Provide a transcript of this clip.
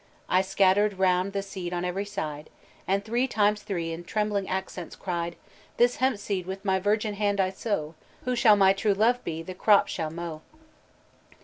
I scattered round the seed on every side, And three times three in trembling accents cried, 'This hemp seed with my virgin hand I sow, Who shall my true love be, the crop shall mow.'"